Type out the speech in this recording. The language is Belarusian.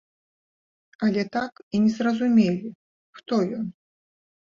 Але так і не зразумелі, хто ён.